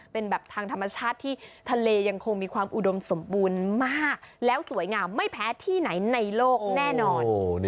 เป็นแบบทางธรรมชาติที่ทะเลยังคงมีความอุดมสมบูรณ์มากแล้วสวยงามไม่แพ้ที่ไหนในโลกแน่นอน